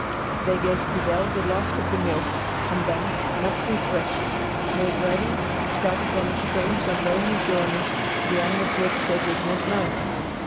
They gave Fidel the last of the milk, and then, much refreshed, made ready to start upon a strange and lonely journey the end of which they did not know.